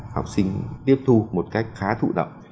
học sinh tiếp thu một cách khá thụ động